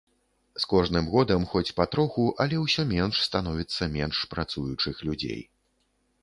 З кожным годам хоць патроху, але ўсё менш становіцца менш працуючых людзей.